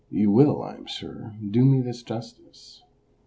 You will, I am sure, do me this justice.